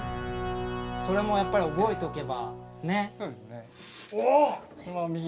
それもやっぱり覚えておけばねっそうですね